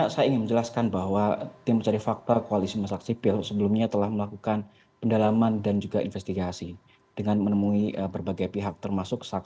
selamat malam mas bram